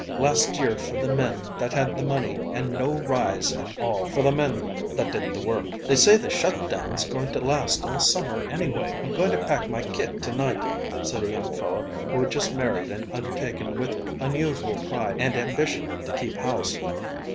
last year for the men that had the money and no rise at all for the men that did the work." "They say the shut down's going to last all summer anyway. I'm going to pack my kit to night," said a young fellow who had just married and undertaken with unusual pride and ambition to keep house.